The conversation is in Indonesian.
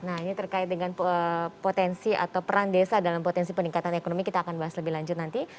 nah ini terkait dengan potensi atau peran desa dalam potensi peningkatan ekonomi kita akan bahas lebih lanjut nanti